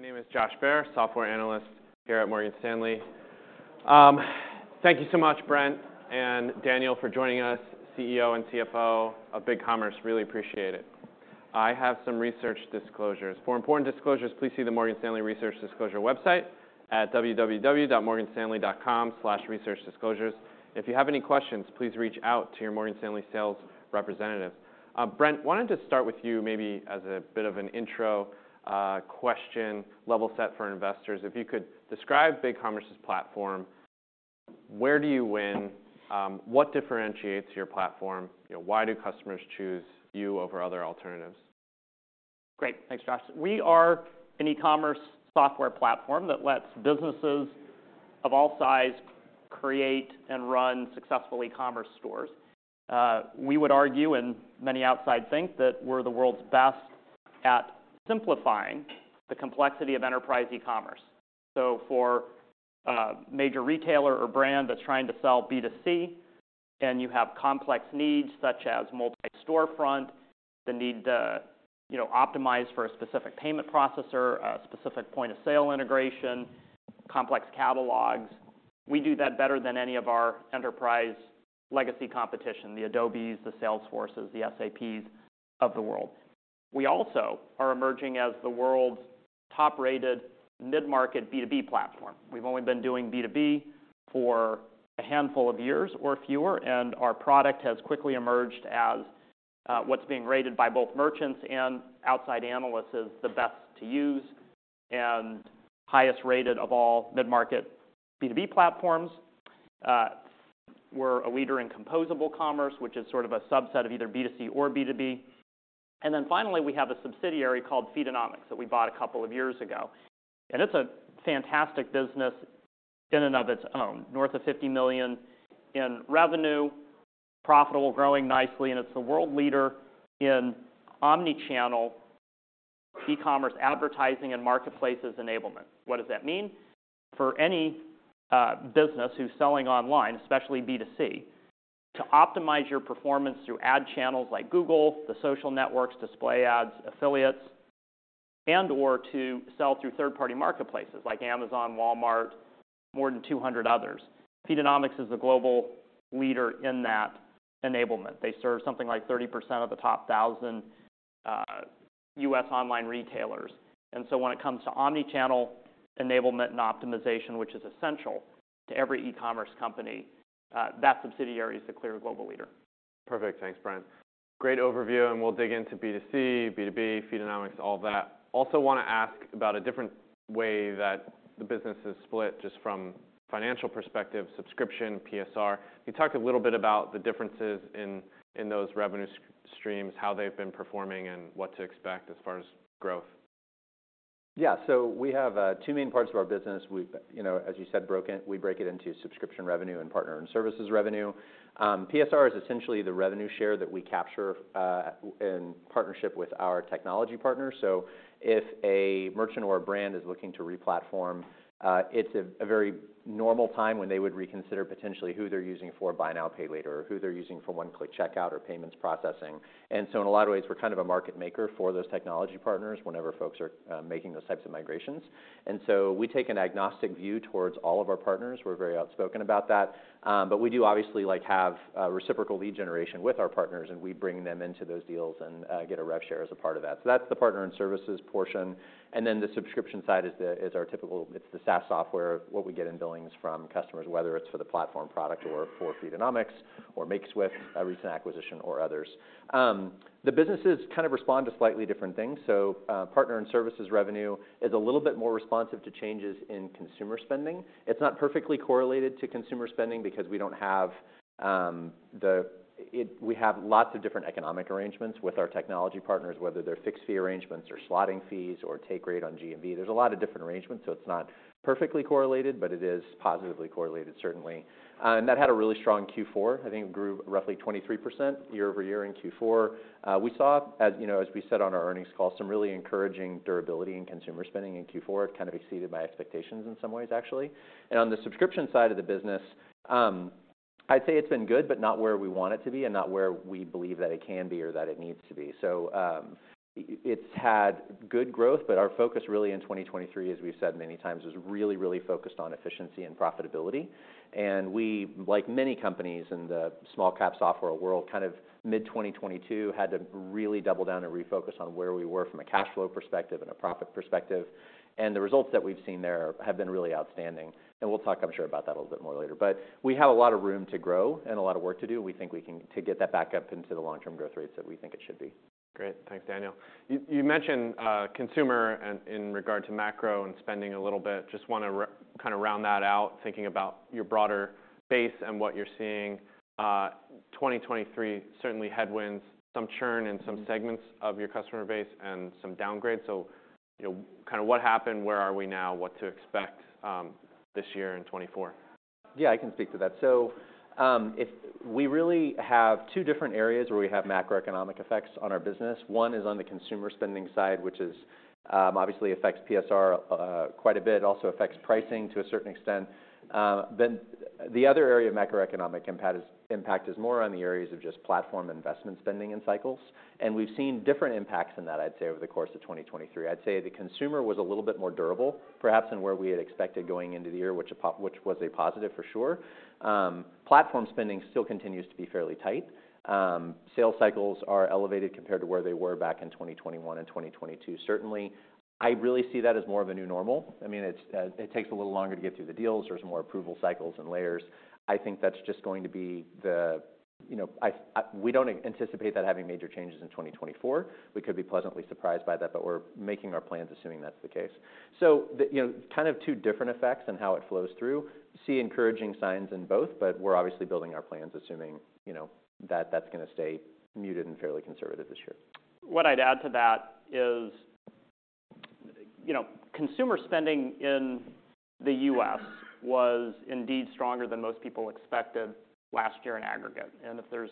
My name is Josh Baer, software analyst here at Morgan Stanley. Thank you so much, Brent and Daniel, for joining us, CEO and CFO of BigCommerce. Really appreciate it. I have some research disclosures. For important disclosures, please see the Morgan Stanley Research Disclosure website at www.morganstanley.com/researchdisclosures. If you have any questions, please reach out to your Morgan Stanley sales representatives. Brent, wanted to start with you maybe as a bit of an intro, question level set for investors. If you could describe BigCommerce's platform, where do you win, what differentiates your platform, you know, why do customers choose you over other alternatives? Great. Thanks, Josh. We are an e-commerce software platform that lets businesses of all sizes create and run successful e-commerce stores. We would argue, and many outside think, that we're the world's best at simplifying the complexity of enterprise e-commerce. So, for major retailer or brand that's trying to sell B2C and you have complex needs such as multi-storefront, the need to, you know, optimize for a specific payment processor, a specific point-of-sale integration, complex catalogs, we do that better than any of our enterprise legacy competition, the Adobes, the Salesforces, the SAPs of the world. We also are emerging as the world's top-rated mid-market B2B platform. We've only been doing B2B for a handful of years or fewer, and our product has quickly emerged as what's being rated by both merchants and outside analysts as the best to use and highest rated of all mid-market B2B platforms. We're a leader in composable commerce, which is sort of a subset of either B2C or B2B. And then finally, we have a subsidiary called Feedonomics that we bought a couple of years ago. And it's a fantastic business in and of its own, north of $50 million in revenue, profitable, growing nicely, and it's the world leader in omnichannel e-commerce advertising and marketplaces enablement. What does that mean? For any business who's selling online, especially B2C, to optimize your performance through ad channels like Google, the social networks, display ads, affiliates, and/or to sell through third-party marketplaces like Amazon, Walmart, more than 200 others. Feedonomics is the global leader in that enablement. They serve something like 30% of the top 1,000 U.S. online retailers. And so when it comes to omnichannel enablement and optimization, which is essential to every e-commerce company, that subsidiary is the clear global leader. Perfect. Thanks, Brent. Great overview, and we'll dig into B2C, B2B, Feedonomics, all that. Also want to ask about a different way that the business is split, just from financial perspective, subscription, PSR. You talked a little bit about the differences in those revenue streams, how they've been performing, and what to expect as far as growth. Yeah. So we have two main parts of our business. We've, you know, as you said, break it into subscription revenue and partner and services revenue. PSR is essentially the revenue share that we capture in partnership with our technology partners. So if a merchant or a brand is looking to replatform, it's a very normal time when they would reconsider potentially who they're using for Buy Now, Pay Later, who they're using for one-click checkout or payments processing. And so in a lot of ways, we're kind of a market maker for those technology partners whenever folks are making those types of migrations. And so we take an agnostic view towards all of our partners. We're very outspoken about that. but we do obviously, like, have reciprocal lead generation with our partners, and we bring them into those deals and get a rev share as a part of that. So that's the partner and services portion. And then the subscription side is our typical; it's the SaaS software of what we get in billings from customers, whether it's for the platform product or for Feedonomics or Makeswift, a recent acquisition, or others. The businesses kind of respond to slightly different things. So, partner and services revenue is a little bit more responsive to changes in consumer spending. It's not perfectly correlated to consumer spending because we don't have the; it we have lots of different economic arrangements with our technology partners, whether they're fixed fee arrangements or slotting fees or take rate on GMV. There's a lot of different arrangements, so it's not perfectly correlated, but it is positively correlated, certainly. And that had a really strong Q4. I think it grew roughly 23% year-over-year in Q4. We saw, as you know, as we said on our earnings call, some really encouraging durability in consumer spending in Q4. It kind of exceeded my expectations in some ways, actually. And on the subscription side of the business, I'd say it's been good but not where we want it to be and not where we believe that it can be or that it needs to be. So, it's had good growth, but our focus really in 2023, as we've said many times, was really, really focused on efficiency and profitability. We, like many companies in the small-cap software world, kind of mid-2022 had to really double down and refocus on where we were from a cash flow perspective and a profit perspective. The results that we've seen there have been really outstanding. We'll talk, I'm sure, about that a little bit more later. We have a lot of room to grow and a lot of work to do. We think we can to get that back up into the long-term growth rates that we think it should be. Great. Thanks, Daniel. You mentioned consumer and in regard to macro and spending a little bit. Just want to kind of round that out, thinking about your broader base and what you're seeing. 2023 certainly headwinds, some churn in some segments of your customer base and some downgrade. So, you know, kind of what happened? Where are we now? What to expect this year and 2024? Yeah. I can speak to that. So, if we really have two different areas where we have macroeconomic effects on our business. One is on the consumer spending side, which is, obviously affects PSR, quite a bit, also affects pricing to a certain extent. Then the other area of macroeconomic impact is more on the areas of just platform investment spending and cycles. And we've seen different impacts in that, I'd say, over the course of 2023. I'd say the consumer was a little bit more durable, perhaps, than where we had expected going into the year, which was a positive for sure. Platform spending still continues to be fairly tight. Sales cycles are elevated compared to where they were back in 2021 and 2022, certainly. I really see that as more of a new normal. I mean, it takes a little longer to get through the deals. There's more approval cycles and layers. I think that's just going to be the, you know, if we don't anticipate that having major changes in 2024. We could be pleasantly surprised by that, but we're making our plans assuming that's the case. So, you know, kind of two different effects and how it flows through. See encouraging signs in both, but we're obviously building our plans assuming, you know, that that's going to stay muted and fairly conservative this year. What I'd add to that is, you know, consumer spending in the U.S. was indeed stronger than most people expected last year in aggregate. If there's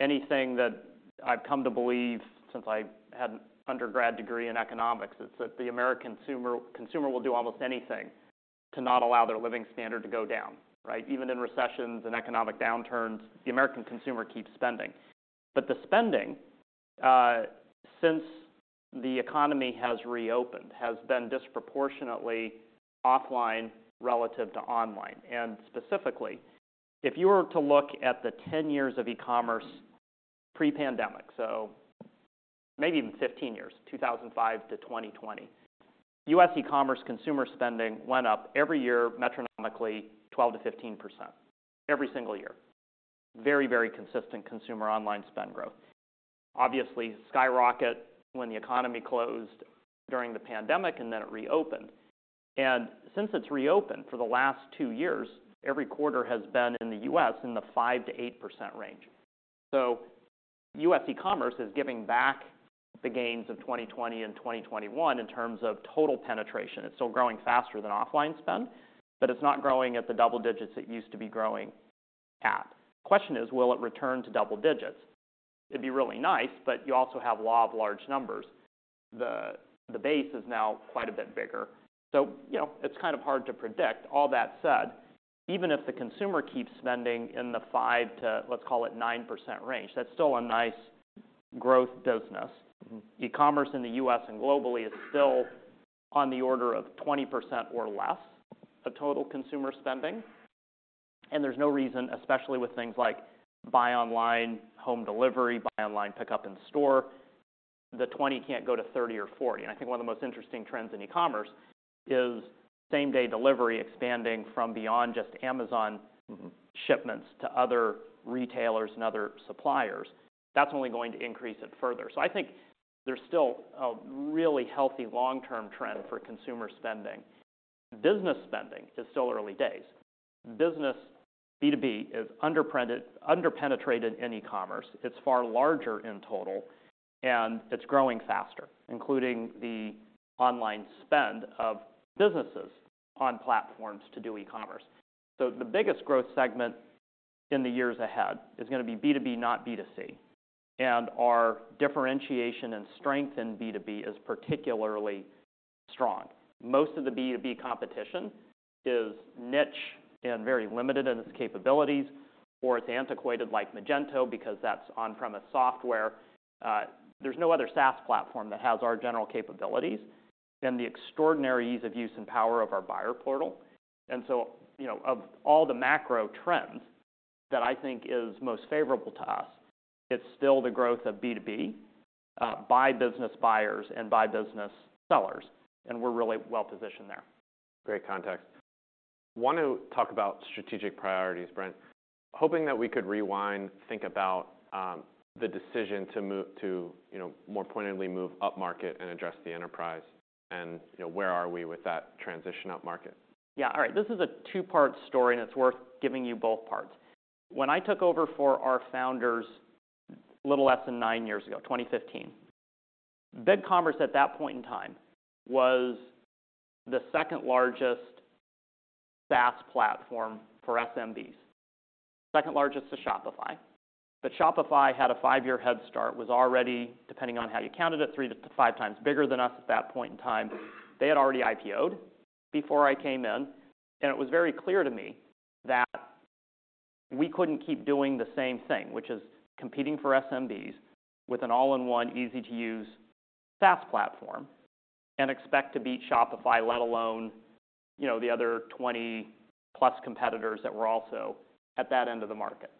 anything that I've come to believe since I had an undergrad degree in economics, it's that the American consumer consumer will do almost anything to not allow their living standard to go down, right? Even in recessions and economic downturns, the American consumer keeps spending. But the spending, since the economy has reopened, has been disproportionately offline relative to online. And specifically, if you were to look at the 10 years of e-commerce pre-pandemic, so maybe even 15 years, 2005 to 2020, U.S. e-commerce consumer spending went up every year metronomically 12%-15% every single year. Very, very consistent consumer online spend growth. Obviously, skyrocket when the economy closed during the pandemic, and then it reopened. Since it's reopened for the last two years, every quarter has been in the U.S. in the 5%-8% range. So U.S. e-commerce is giving back the gains of 2020 and 2021 in terms of total penetration. It's still growing faster than offline spend, but it's not growing at the double digits it used to be growing at. The question is, will it return to double digits? It'd be really nice, but you also have law of large numbers. The base is now quite a bit bigger. So, you know, it's kind of hard to predict. All that said, even if the consumer keeps spending in the 5% to, let's call it, 9% range, that's still a nice growth business. E-commerce in the U.S. and globally is still on the order of 20% or less of total consumer spending. There's no reason, especially with things like buy online, home delivery, Buy Online, Pickup In Store, the 20% can't go to 30% or 40%. I think one of the most interesting trends in e-commerce is same-day delivery expanding from beyond just Amazon shipments to other retailers and other suppliers. That's only going to increase it further. I think there's still a really healthy long-term trend for consumer spending. Business spending is still early days. Business B2B is underpenetrated in e-commerce. It's far larger in total, and it's growing faster, including the online spend of businesses on platforms to do e-commerce. The biggest growth segment in the years ahead is going to be B2B, not B2C. Our differentiation and strength in B2B is particularly strong. Most of the B2B competition is niche and very limited in its capabilities, or it's antiquated like Magento because that's on-premise software. There's no other SaaS platform that has our general capabilities and the extraordinary ease of use and power of our buyer portal. And so, you know, of all the macro trends that I think is most favorable to us, it's still the growth of B2B, by business buyers and by business sellers. And we're really well-positioned there. Great context. Want to talk about strategic priorities, Brent. Hoping that we could rewind, think about the decision to move to, you know, more pointedly move upmarket and address the enterprise. And, you know, where are we with that transition upmarket? Yeah. All right. This is a two-part story, and it's worth giving you both parts. When I took over for our founders little less than nine years ago, 2015, BigCommerce at that point in time was the second largest SaaS platform for SMBs, second largest to Shopify. But Shopify had a five-year head start, was already, depending on how you counted it, 3-5x bigger than us at that point in time. They had already IPOed before I came in. And it was very clear to me that we couldn't keep doing the same thing, which is competing for SMBs with an all-in-one, easy-to-use SaaS platform and expect to beat Shopify, let alone, you know, the other 20+ competitors that were also at that end of the market.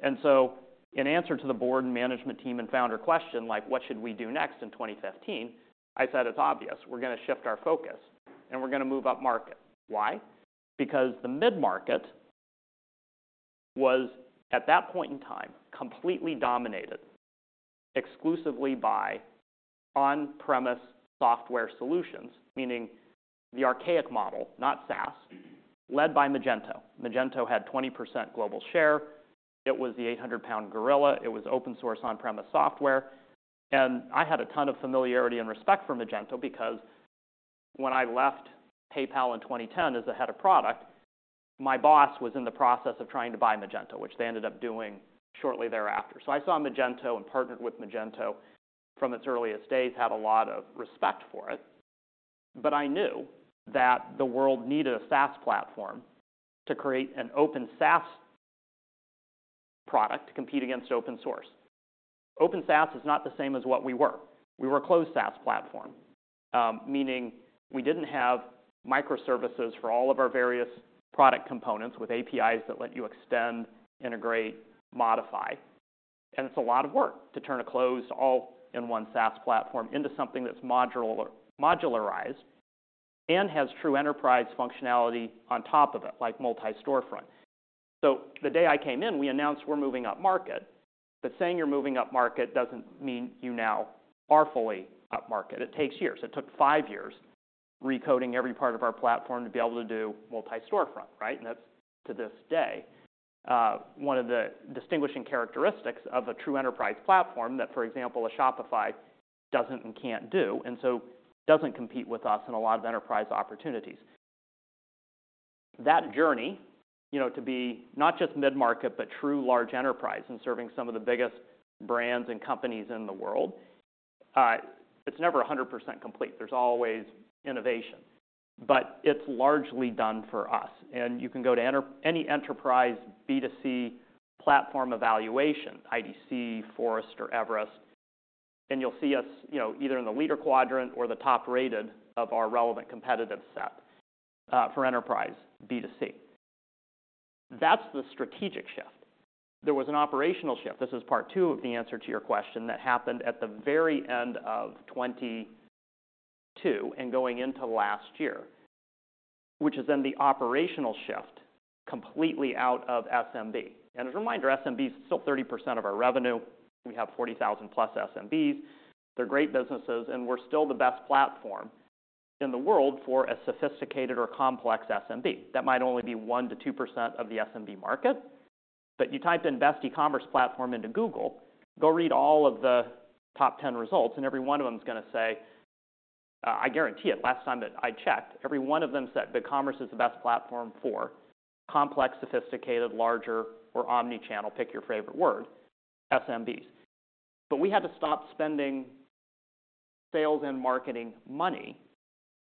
And so in answer to the board and management team and founder question, like, "What should we do next in 2015?" I said, "It's obvious. We're going to shift our focus, and we're going to move upmarket." Why? Because the mid-market was at that point in time completely dominated exclusively by on-premise software solutions, meaning the archaic model, not SaaS, led by Magento. Magento had 20% global share. It was the 800 lb gorilla. It was open-source on-premise software. And I had a ton of familiarity and respect for Magento because when I left PayPal in 2010 as the head of product, my boss was in the process of trying to buy Magento, which they ended up doing shortly thereafter. So I saw Magento and partnered with Magento. From its earliest days, had a lot of respect for it. But I knew that the world needed a SaaS platform to create an open SaaS product to compete against open source. Open SaaS is not the same as what we were. We were a closed SaaS platform, meaning we didn't have microservices for all of our various product components with APIs that let you extend, integrate, modify. And it's a lot of work to turn a closed, all-in-one SaaS platform into something that's modularized and has true enterprise functionality on top of it, like multi-storefront. So the day I came in, we announced we're moving upmarket. But saying you're moving upmarket doesn't mean you now are fully upmarket. It takes years. It took five years recoding every part of our platform to be able to do multi-storefront, right? That's to this day, one of the distinguishing characteristics of a true enterprise platform that, for example, a Shopify doesn't and can't do and so doesn't compete with us in a lot of enterprise opportunities. That journey, you know, to be not just mid-market but true large enterprise and serving some of the biggest brands and companies in the world, it's never 100% complete. There's always innovation. But it's largely done for us. And you can go to enter any enterprise B2C platform evaluation, IDC, Forrester, or Everest Group, and you'll see us, you know, either in the leader quadrant or the top-rated of our relevant competitive set, for enterprise B2C. That's the strategic shift. There was an operational shift. This is part two of the answer to your question that happened at the very end of 2022 and going into last year, which is then the operational shift completely out of SMB. And as a reminder, SMBs still 30% of our revenue. We have 40,000+ SMBs. They're great businesses. And we're still the best platform in the world for a sophisticated or complex SMB. That might only be 1%-2% of the SMB market. But you type in "best e-commerce platform" into Google, go read all of the top 10 results, and every one of them's going to say I guarantee it, last time that I checked, every one of them said BigCommerce is the best platform for complex, sophisticated, larger, or omnichannel - pick your favorite word - SMBs. But we had to stop spending sales and marketing money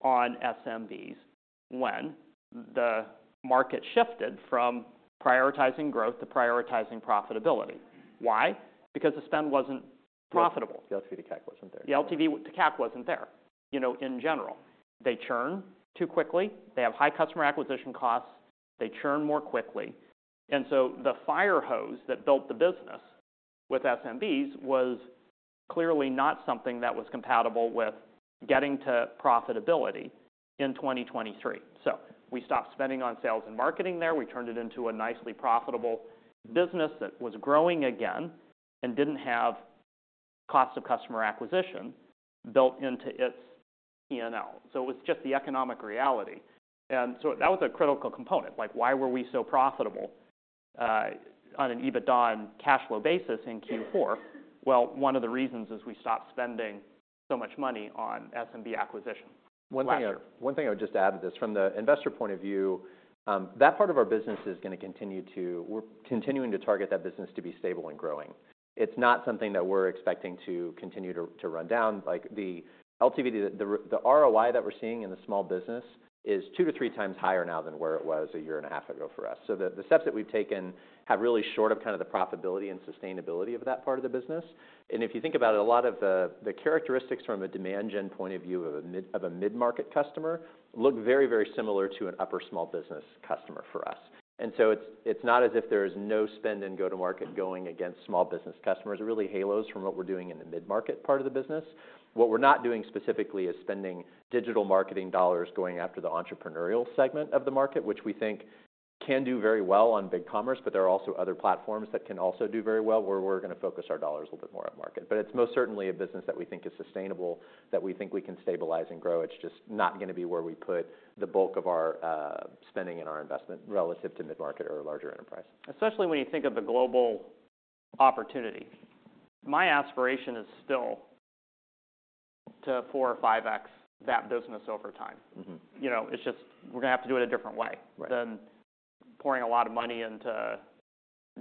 on SMBs when the market shifted from prioritizing growth to prioritizing profitability. Why? Because the spend wasn't profitable. The LTV to CAC wasn't there. The LTV to CAC wasn't there, you know, in general. They churn too quickly. They have high customer acquisition costs. They churn more quickly. And so the fire hose that built the business with SMBs was clearly not something that was compatible with getting to profitability in 2023. So we stopped spending on sales and marketing there. We turned it into a nicely profitable business that was growing again and didn't have cost of customer acquisition built into its P&L. So it was just the economic reality. And so that was a critical component, like, why were we so profitable, on an EBITDA on cash flow basis in Q4? Well, one of the reasons is we stopped spending so much money on SMB acquisition. One thing I would just add to this. From the investor point of view, that part of our business is going to continue to we're continuing to target that business to be stable and growing. It's not something that we're expecting to continue to run down. Like, the LTV to the ROI that we're seeing in the small business is 2-3x higher now than where it was a year and a half ago for us. So the steps that we've taken have really shortened kind of the profitability and sustainability of that part of the business. And if you think about it, a lot of the characteristics from a demand gen point of view of a mid-market customer look very, very similar to an upper small business customer for us. And so it's not as if there is no spend in go-to-market going against small business customers. It really halos from what we're doing in the mid-market part of the business. What we're not doing specifically is spending digital marketing dollars going after the entrepreneurial segment of the market, which we think can do very well on BigCommerce. But there are also other platforms that can also do very well where we're going to focus our dollars a little bit more upmarket. But it's most certainly a business that we think is sustainable, that we think we can stabilize and grow. It's just not going to be where we put the bulk of our spending and our investment relative to mid-market or larger enterprise. Especially when you think of the global opportunity. My aspiration is still to 4x or 5x that business over time. You know, it's just we're going to have to do it a different way than pouring a lot of money into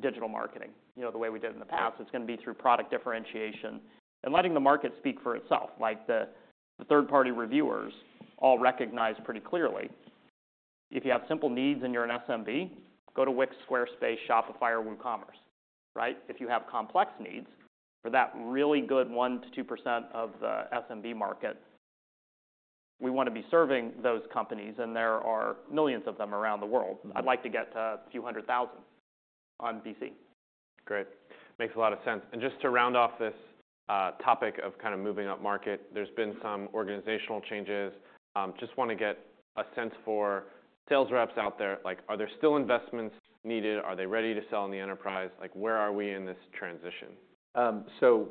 digital marketing, you know, the way we did in the past. It's going to be through product differentiation and letting the market speak for itself. Like, the third-party reviewers all recognize pretty clearly, if you have simple needs and you're an SMB, go to Wix, Squarespace, Shopify, or WooCommerce, right? If you have complex needs, for that really good 1%-2% of the SMB market, we want to be serving those companies. There are millions of them around the world. I'd like to get to a few hundred thousand on BC. Great. Makes a lot of sense. Just to round off this topic of kind of moving upmarket, there's been some organizational changes. Just want to get a sense for sales reps out there. Like, are there still investments needed? Are they ready to sell in the enterprise? Like, where are we in this transition? So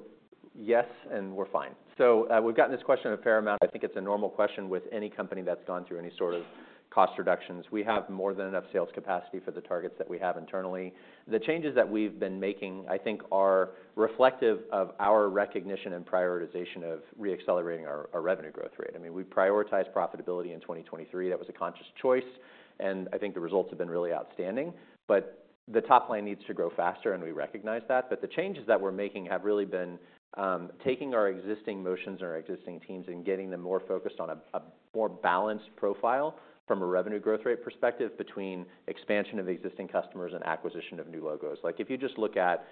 yes, and we're fine. So we've gotten this question a fair amount. I think it's a normal question with any company that's gone through any sort of cost reductions. We have more than enough sales capacity for the targets that we have internally. The changes that we've been making, I think, are reflective of our recognition and prioritization of reaccelerating our revenue growth rate. I mean, we prioritized profitability in 2023. That was a conscious choice. And I think the results have been really outstanding. But the top line needs to grow faster, and we recognize that. But the changes that we're making have really been taking our existing motions and our existing teams and getting them more focused on a more balanced profile from a revenue growth rate perspective between expansion of existing customers and acquisition of new logos. Like, if you just look at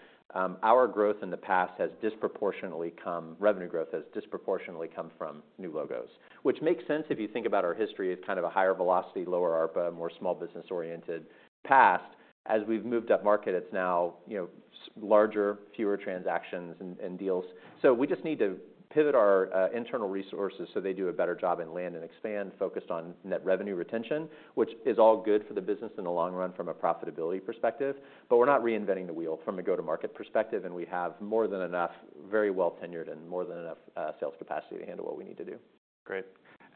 our growth in the past has disproportionately come revenue growth has disproportionately come from new logos, which makes sense if you think about our history as kind of a higher velocity, lower ARPA, more small business-oriented past. As we've moved upmarket, it's now, you know, larger, fewer transactions and deals. So we just need to pivot our internal resources so they do a better job and land and expand focused on net revenue retention, which is all good for the business in the long run from a profitability perspective. But we're not reinventing the wheel from a go-to-market perspective. And we have more than enough very well-tenured and more than enough sales capacity to handle what we need to do. Great.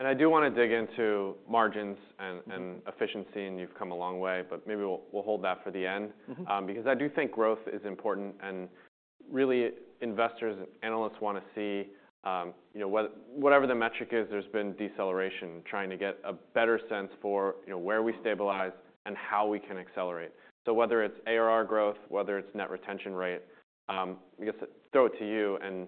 And I do want to dig into margins and efficiency. And you've come a long way. But maybe we'll hold that for the end because I do think growth is important. And really, investors and analysts want to see, you know, whatever the metric is, there's been deceleration trying to get a better sense for, you know, where we stabilize and how we can accelerate. So whether it's ARR growth, whether it's net retention rate, I guess throw it to you. And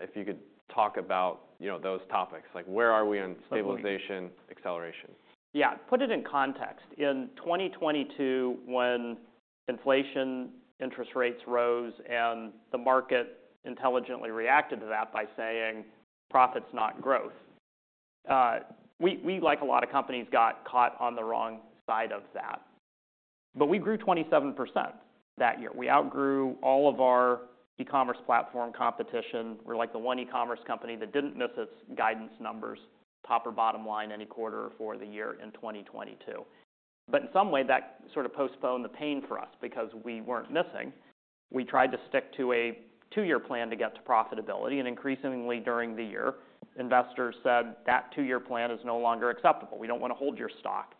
if you could talk about, you know, those topics, like, where are we on stabilization, acceleration? Yeah. Put it in context. In 2022, when inflation, interest rates rose, and the market intelligently reacted to that by saying, "Profit's not Growth," we, like a lot of companies, got caught on the wrong side of that. But we grew 27% that year. We outgrew all of our e-commerce platform competition. We're like the one e-commerce company that didn't miss its guidance numbers, top or bottom line, any quarter for the year in 2022. But in some way, that sort of postponed the pain for us because we weren't missing. We tried to stick to a two-year plan to get to profitability. And increasingly during the year, investors said, "That two-year plan is no longer acceptable. We don't want to hold your stock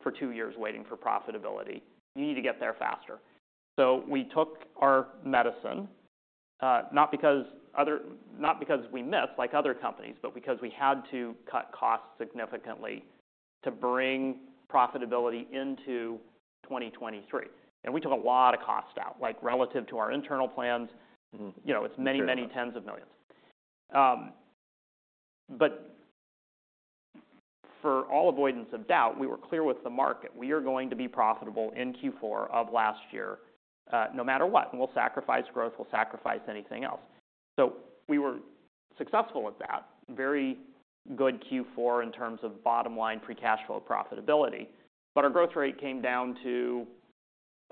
for two years waiting for profitability. You need to get there faster." So we took our medicine, not because we missed, like other companies, but because we had to cut costs significantly to bring profitability into 2023. And we took a lot of cost out, like, relative to our internal plans. You know, it's many, many tens of millions. But for all avoidance of doubt, we were clear with the market. We are going to be profitable in Q4 of last year no matter what. And we'll sacrifice growth. We'll sacrifice anything else. So we were successful at that, very good Q4 in terms of bottom line pre-cash flow profitability. But our growth rate came down to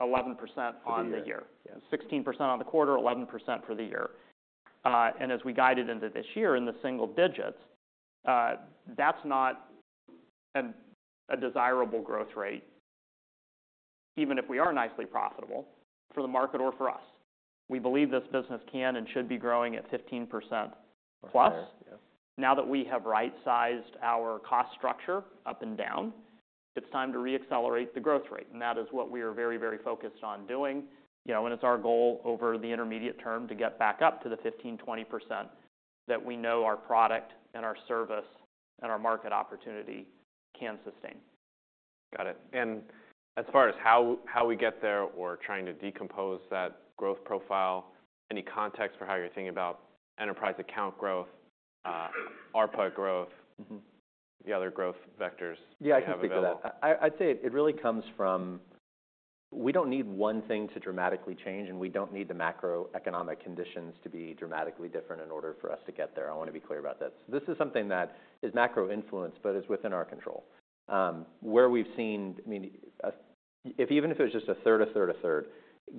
11% on the year, 16% on the quarter, 11% for the year. As we guided into this year in the single digits, that's not a desirable growth rate, even if we are nicely profitable for the market or for us. We believe this business can and should be growing at 15% plus. Now that we have right-sized our cost structure up and down, it's time to reaccelerate the growth rate. And that is what we are very, very focused on doing. You know, and it's our goal over the intermediate term to get back up to the 15%-20% that we know our product and our service and our market opportunity can sustain. Got it. As far as how we get there or trying to decompose that growth profile, any context for how you're thinking about enterprise account growth, ARPA growth, the other growth vectors? Yeah, I can speak to that. I'd say it really comes from we don't need one thing to dramatically change. We don't need the macroeconomic conditions to be dramatically different in order for us to get there. I want to be clear about that. This is something that is macro influenced but is within our control. Where we've seen I mean, even if it was just a third, a third, a third,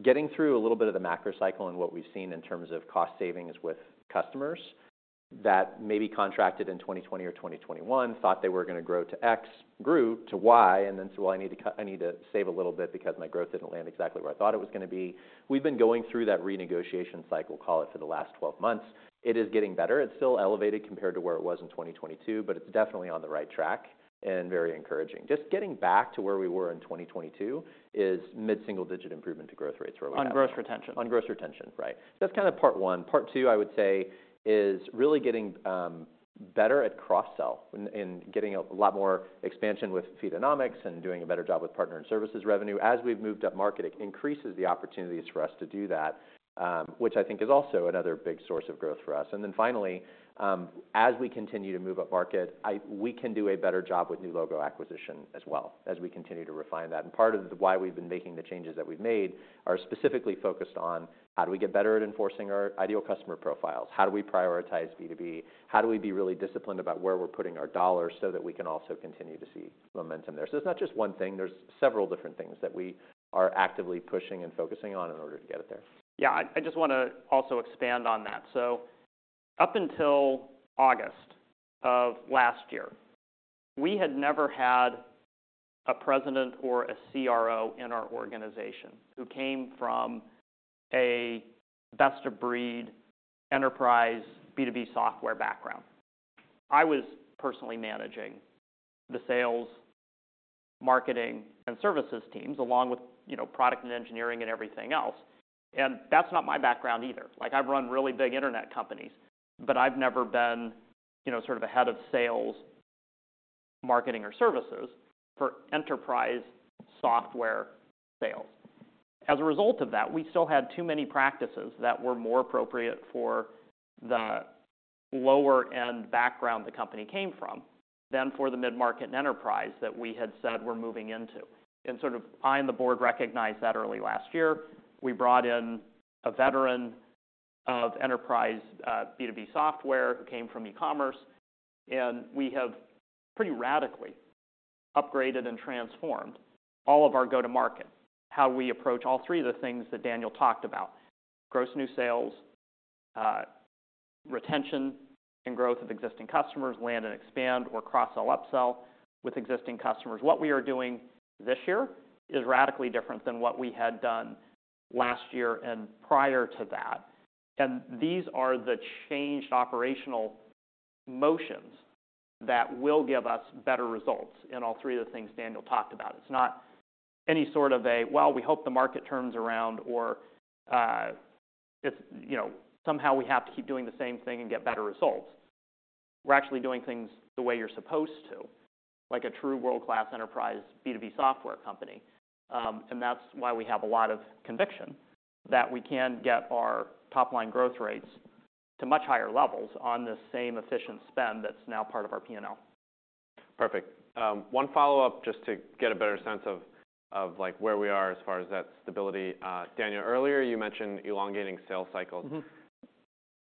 getting through a little bit of the macro cycle and what we've seen in terms of cost savings with customers that maybe contracted in 2020 or 2021, thought they were going to grow to X, grew to Y, and then said, "Well, I need to save a little bit because my growth didn't land exactly where I thought it was going to be," we've been going through that renegotiation cycle, call it, for the last 12 months. It is getting better. It's still elevated compared to where it was in 2022. It's definitely on the right track and very encouraging. Just getting back to where we were in 2022 is mid-single digit improvement to growth rates where we had. On growth retention. On growth retention, right. So that's kind of part one. Part two, I would say, is really getting better at cross-sell and getting a lot more expansion with Feedonomics and doing a better job with partner and services revenue. As we've moved upmarket, it increases the opportunities for us to do that, which I think is also another big source of growth for us. And then finally, as we continue to move upmarket, we can do a better job with new logo acquisition as well as we continue to refine that. And part of why we've been making the changes that we've made are specifically focused on, how do we get better at enforcing our ideal customer profiles? How do we prioritize B2B? How do we be really disciplined about where we're putting our dollars so that we can also continue to see momentum there? It's not just one thing. There's several different things that we are actively pushing and focusing on in order to get it there. Yeah. I just want to also expand on that. So up until August of last year, we had never had a president or a CRO in our organization who came from a best-of-breed enterprise B2B software background. I was personally managing the sales, marketing, and services teams along with product and engineering and everything else. And that's not my background either. Like, I've run really big internet companies. But I've never been sort of a head of sales, marketing, or services for enterprise software sales. As a result of that, we still had too many practices that were more appropriate for the lower-end background the company came from than for the mid-market and enterprise that we had said we're moving into. And sort of I and the board recognized that early last year. We brought in a veteran of enterprise B2B software who came from e-commerce. We have pretty radically upgraded and transformed all of our go-to-market, how we approach all three of the things that Daniel talked about, gross new sales, retention and growth of existing customers, land and expand or cross-sell, upsell with existing customers. What we are doing this year is radically different than what we had done last year and prior to that. These are the changed operational motions that will give us better results in all three of the things Daniel talked about. It's not any sort of a, "Well, we hope the market turns around," or, "Somehow we have to keep doing the same thing and get better results." We're actually doing things the way you're supposed to, like a true world-class enterprise B2B software company. That's why we have a lot of conviction that we can get our top line growth rates to much higher levels on the same efficient spend that's now part of our P&L. Perfect. One follow-up just to get a better sense of, like, where we are as far as that stability. Daniel, earlier, you mentioned elongating sales cycles.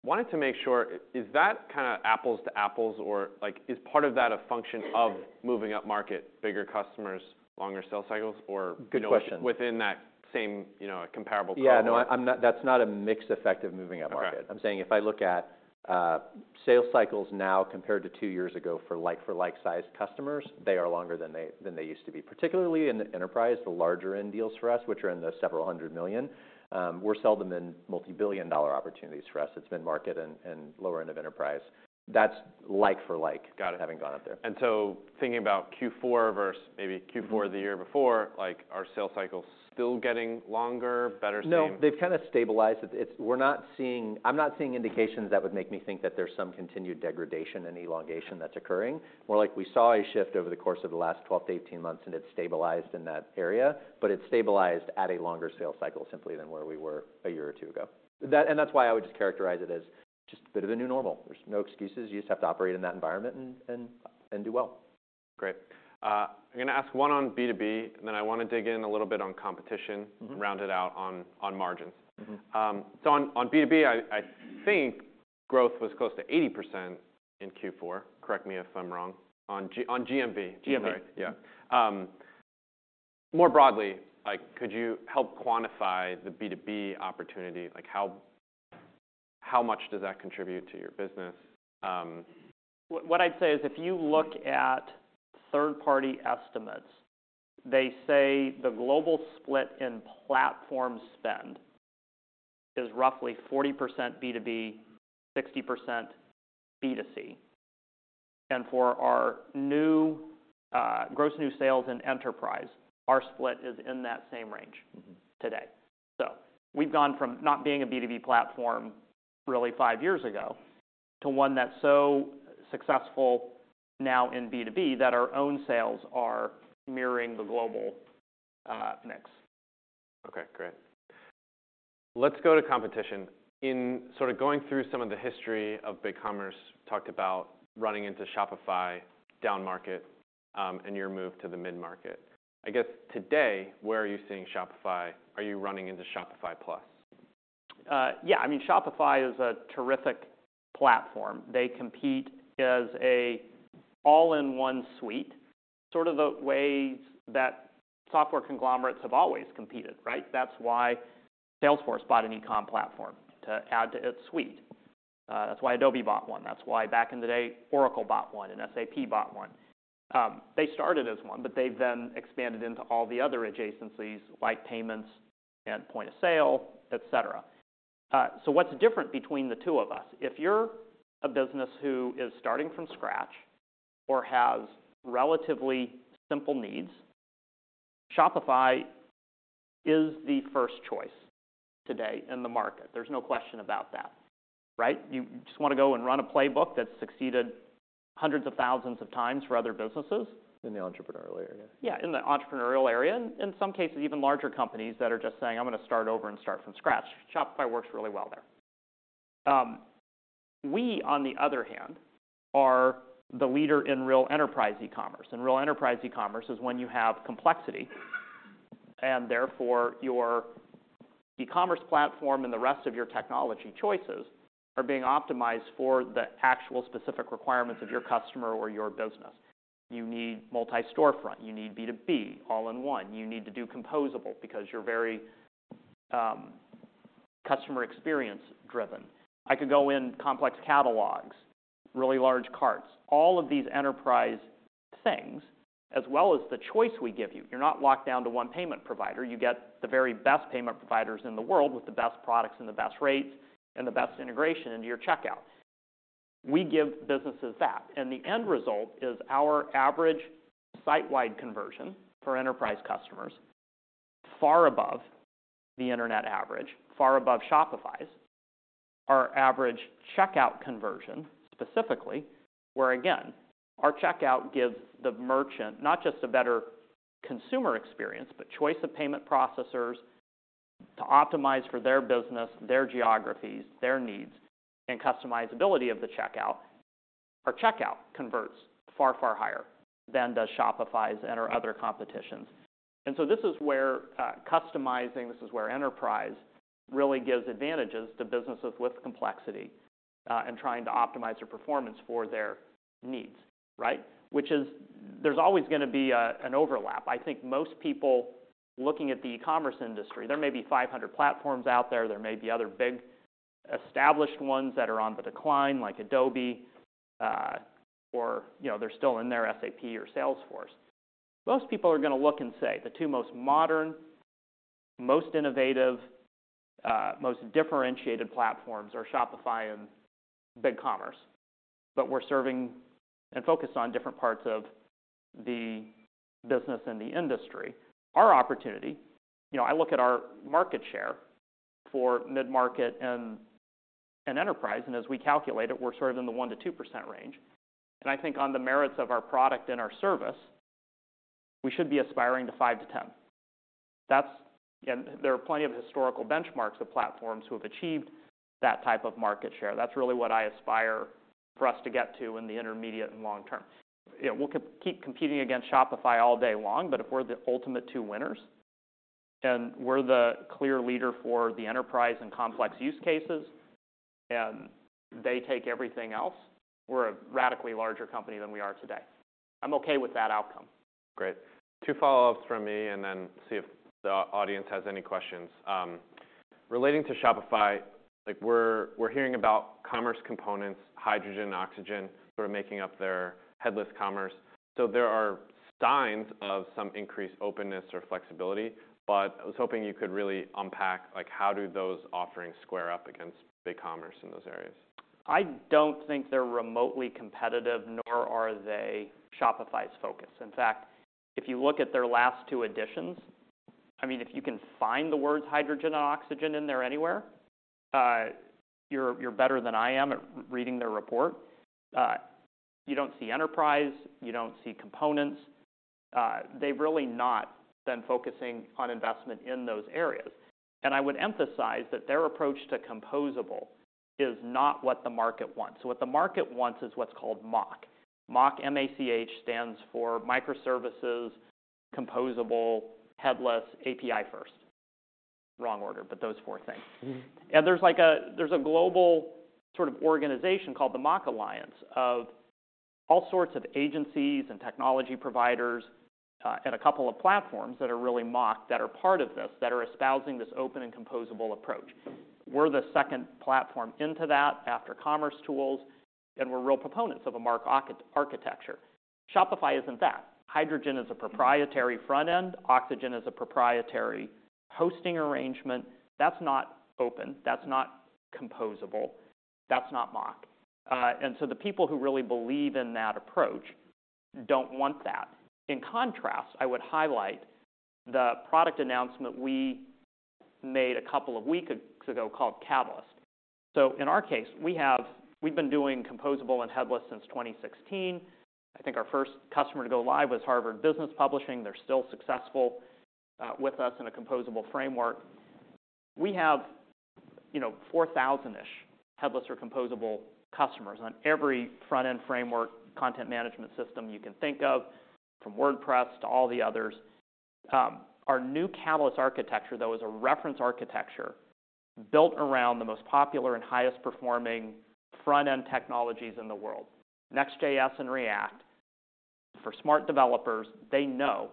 Wanted to make sure, is that kind of apples to apples? Or, like, is part of that a function of moving upmarket, bigger customers, longer sales cycles, or within that same comparable cross-sell? Yeah. No, that's not a mixed effect of moving upmarket. I'm saying, if I look at sales cycles now compared to two years ago for like-for-like-sized customers, they are longer than they used to be, particularly in the enterprise, the larger-end deals for us, which are in the several hundred million dollars. We're seldom in multi-billion dollar opportunities for us. It's mid-market and lower-end of enterprise. That's like-for-like having gone up there. Got it. And so thinking about Q4 versus maybe Q4 of the year before, like, are sales cycles still getting longer, better seen? No, they've kind of stabilized. I'm not seeing indications that would make me think that there's some continued degradation and elongation that's occurring. More like, we saw a shift over the course of the last 12 to 18 months, and it stabilized in that area. It stabilized at a longer sales cycle simply than where we were a year or two ago. That's why I would just characterize it as just a bit of a new normal. There's no excuses. You just have to operate in that environment and do well. Great. I'm going to ask one on B2B. And then I want to dig in a little bit on competition, round it out on margins. So on B2B, I think growth was close to 80% in Q4. Correct me if I'm wrong. On GMV, GMV, yeah. More broadly, could you help quantify the B2B opportunity? Like, how much does that contribute to your business? What I'd say is, if you look at third-party estimates, they say the global split in platform spend is roughly 40% B2B, 60% B2C. And for our new gross new sales in enterprise, our split is in that same range today. So we've gone from not being a B2B platform really five years ago to one that's so successful now in B2B that our own sales are mirroring the global mix. OK, great. Let's go to competition. In sort of going through some of the history of BigCommerce, talked about running into Shopify, downmarket, and your move to the mid-market, I guess today, where are you seeing Shopify? Are you running into Shopify Plus? Yeah. I mean, Shopify is a terrific platform. They compete as an all-in-one suite, sort of the ways that software conglomerates have always competed, right? That's why Salesforce bought an e-com platform to add to its suite. That's why Adobe bought one. That's why back in the day, Oracle bought one, and SAP bought one. They started as one. But they've then expanded into all the other adjacencies, like payments and point of sale, et cetera. So what's different between the two of us? If you're a business who is starting from scratch or has relatively simple needs, Shopify is the first choice today in the market. There's no question about that, right? You just want to go and run a playbook that's succeeded hundreds of thousands of times for other businesses. In the entrepreneurial area, yeah. Yeah, in the entrepreneurial area and in some cases, even larger companies that are just saying, "I'm going to start over and start from scratch." Shopify works really well there. We, on the other hand, are the leader in real enterprise e-commerce. Real enterprise e-commerce is when you have complexity. Therefore, your e-commerce platform and the rest of your technology choices are being optimized for the actual specific requirements of your customer or your business. You need multi-storefront. You need B2B, all-in-one. You need to do composable because you're very customer experience-driven. I could go in complex catalogs, really large carts, all of these enterprise things, as well as the choice we give you. You're not locked down to one payment provider. You get the very best payment providers in the world with the best products and the best rates and the best integration into your checkout. We give businesses that. And the end result is our average site-wide conversion for enterprise customers far above the internet average, far above Shopify's, our average checkout conversion specifically, where, again, our checkout gives the merchant not just a better consumer experience but choice of payment processors to optimize for their business, their geographies, their needs, and customizability of the checkout. Our checkout converts far, far higher than does Shopify's and our other competitions. And so this is where customizing this is where enterprise really gives advantages to businesses with complexity and trying to optimize their performance for their needs, right, which is there's always going to be an overlap. I think most people looking at the e-commerce industry there may be 500 platforms out there. There may be other big established ones that are on the decline, like Adobe. Or they're still in there, SAP or Salesforce. Most people are going to look and say, the two most modern, most innovative, most differentiated platforms are Shopify and BigCommerce. But we're serving and focused on different parts of the business and the industry. Our opportunity, I look at our market share for mid-market and enterprise. And as we calculate it, we're sort of in the 1%-2% range. And I think on the merits of our product and our service, we should be aspiring to 5%-10%. There are plenty of historical benchmarks of platforms who have achieved that type of market share. That's really what I aspire for us to get to in the intermediate and long term. We'll keep competing against Shopify all day long. But if we're the ultimate two winners and we're the clear leader for the enterprise and complex use cases, and they take everything else, we're a radically larger company than we are today. I'm OK with that outcome. Great. Two follow-ups from me, and then see if the audience has any questions. Relating to Shopify, we're hearing about commerce components, Shopify Hydrogen and Oxygen sort of making up their headless commerce. So there are signs of some increased openness or flexibility. But I was hoping you could really unpack, like, how do those offerings square up against BigCommerce in those areas? I don't think they're remotely competitive, nor are they Shopify's focus. In fact, if you look at their last two editions, I mean, if you can find the words Shopify Hydrogen and Oxygen in there anywhere, you're better than I am at reading their report. You don't see enterprise. You don't see components. They've really not been focusing on investment in those areas. And I would emphasize that their approach to composable is not what the market wants. So what the market wants is what's called MACH. MACH, M-A-C-H, stands for Microservices, Composable, Headless, API-First wrong order, but those four things. And there's like a global sort of organization called the MACH Alliance of all sorts of agencies and technology providers and a couple of platforms that are really MACH that are part of this, that are espousing this open and composable approach. We're the second platform into that after commercetools. And we're real proponents of a MACH architecture. Shopify isn't that. Hydrogen is a proprietary front end. Oxygen is a proprietary hosting arrangement. That's not open. That's not composable. That's not MACH. And so the people who really believe in that approach don't want that. In contrast, I would highlight the product announcement we made a couple of weeks ago called Catalyst. So in our case, we have we've been doing composable and headless since 2016. I think our first customer to go live was Harvard Business Publishing. They're still successful with us in a composable framework. We have 4,000-ish headless or composable customers on every front-end framework content management system you can think of, from WordPress to all the others. Our new Catalyst architecture, though, is a reference architecture built around the most popular and highest performing front-end technologies in the world, Next.js and React. For smart developers, they know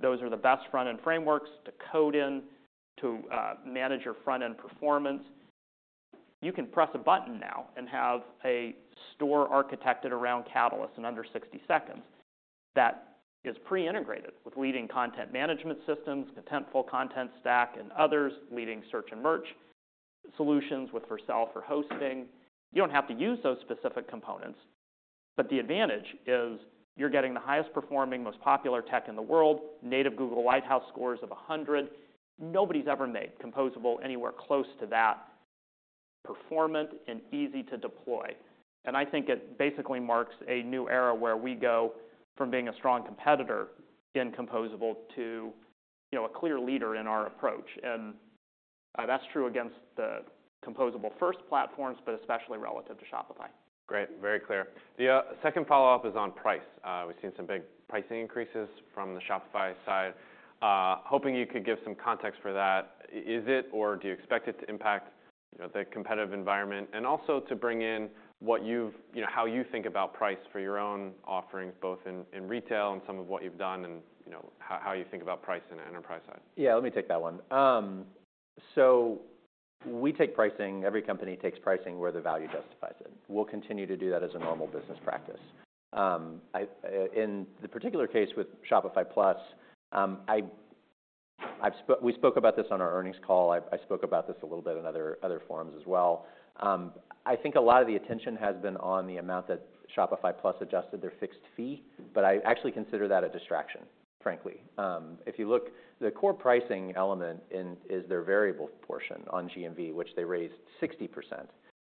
those are the best front-end frameworks to code in, to manage your front-end performance. You can press a button now and have a store architected around Catalyst in under 60 seconds. That is pre-integrated with leading content management systems, Contentful, Contentstack, and others leading search and merch solutions with self- or hosting. You don't have to use those specific components. But the advantage is, you're getting the highest performing, most popular tech in the world, native Google Lighthouse scores of 100. Nobody's ever made composable anywhere close to that performant and easy to deploy. I think it basically marks a new era where we go from being a strong competitor in composable to a clear leader in our approach. That's true against the composable-first platforms, but especially relative to Shopify. Great, very clear. The second follow-up is on price. We've seen some big pricing increases from the Shopify side. Hoping you could give some context for that. Is it, or do you expect it to impact the competitive environment and also to bring in how you think about price for your own offerings, both in retail and some of what you've done and how you think about price in the enterprise side? Yeah, let me take that one. So we take pricing every company takes pricing where the value justifies it. We'll continue to do that as a normal business practice. In the particular case with Shopify Plus, we spoke about this on our earnings call. I spoke about this a little bit in other forums as well. I think a lot of the attention has been on the amount that Shopify Plus adjusted their fixed fee. But I actually consider that a distraction, frankly. If you look, the core pricing element is their variable portion on GMV, which they raised 60%.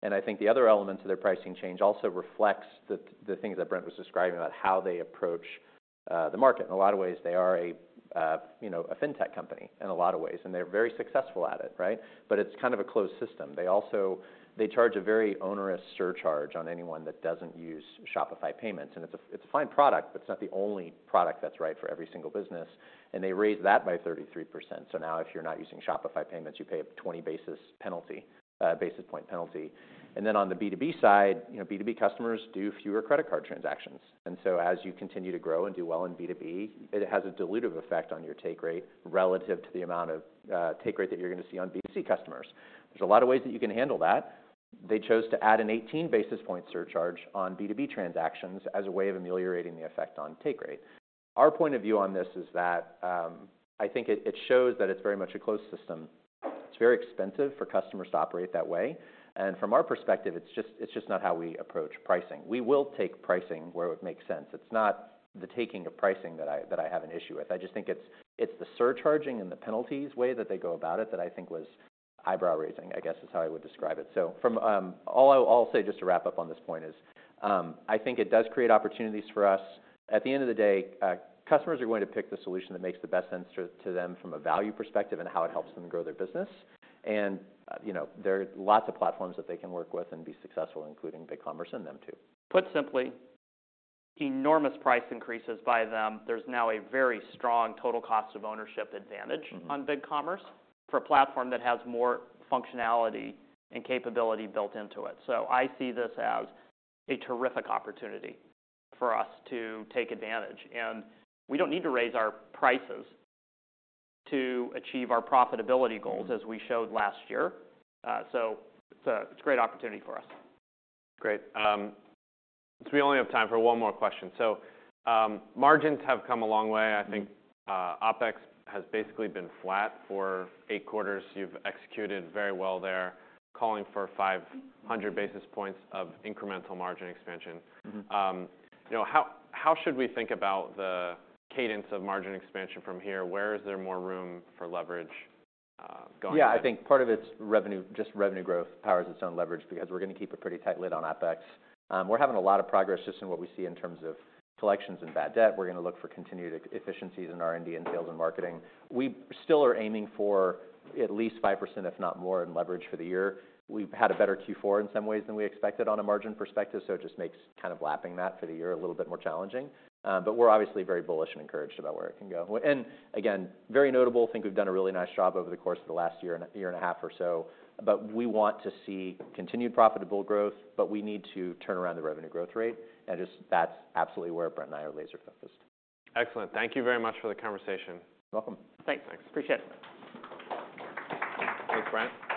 And I think the other elements of their pricing change also reflect the things that Brent was describing about how they approach the market. In a lot of ways, they are a fintech company in a lot of ways. And they're very successful at it, right? But it's kind of a closed system. They also charge a very onerous surcharge on anyone that doesn't use Shopify Payments. And it's a fine product. But it's not the only product that's right for every single business. And they raised that by 33%. So now, if you're not using Shopify Payments, you pay a 20 basis points penalty. And then on the B2B side, B2B customers do fewer credit card transactions. And so as you continue to grow and do well in B2B, it has a dilutive effect on your take rate relative to the amount of take rate that you're going to see on B2C customers. There's a lot of ways that you can handle that. They chose to add an 18 basis points surcharge on B2B transactions as a way of ameliorating the effect on take rate. Our point of view on this is that I think it shows that it's very much a closed system. It's very expensive for customers to operate that way. From our perspective, it's just not how we approach pricing. We will take pricing where it makes sense. It's not the taking of pricing that I have an issue with. I just think it's the surcharging and the penalties way that they go about it that I think was eyebrow-raising, I guess, is how I would describe it. From all I'll say just to wrap up on this point is, I think it does create opportunities for us. At the end of the day, customers are going to pick the solution that makes the best sense to them from a value perspective and how it helps them grow their business. There are lots of platforms that they can work with and be successful, including BigCommerce and them too. Put simply, enormous price increases by them. There's now a very strong total cost of ownership advantage on BigCommerce for a platform that has more functionality and capability built into it. So I see this as a terrific opportunity for us to take advantage. And we don't need to raise our prices to achieve our profitability goals, as we showed last year. So it's a great opportunity for us. Great. So we only have time for one more question. So margins have come a long way. I think OpEx has basically been flat for eight quarters. You've executed very well there, calling for 500 basis points of incremental margin expansion. How should we think about the cadence of margin expansion from here? Where is there more room for leverage going forward? Yeah, I think part of its revenue just revenue growth powers its own leverage because we're going to keep a pretty tight lid on OpEx. We're having a lot of progress just in what we see in terms of collections and bad debt. We're going to look for continued efficiencies in R&D and sales and marketing. We still are aiming for at least 5%, if not more, in leverage for the year. We've had a better Q4 in some ways than we expected on a margin perspective. So it just makes kind of lapping that for the year a little bit more challenging. But we're obviously very bullish and encouraged about where it can go. And again, very notable I think we've done a really nice job over the course of the last year, year and a half or so. But we want to see continued profitable growth. We need to turn around the revenue growth rate. Just, that's absolutely where Brent and I are laser-focused. Excellent. Thank you very much for the conversation. You're welcome. Thanks. Thanks. Appreciate it. Thanks, Brent.